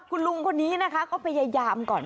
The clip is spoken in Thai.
อ๋อคุณลุงคนนี้ก็พยายามก่อน